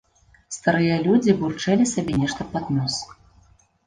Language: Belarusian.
Старыя людзі бурчэлі сабе нешта пад нос.